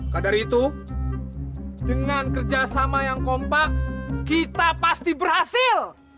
kadar itu dengan kerjasama yang kompak kita pasti berhasil